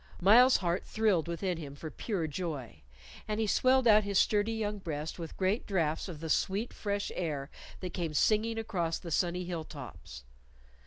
Myles's heart thrilled within him for pure joy, and he swelled out his sturdy young breast with great draughts of the sweet fresh air that came singing across the sunny hill tops.